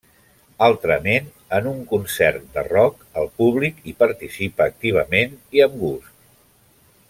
Altrament, en un concert de rock, el públic hi participa activament i amb gust.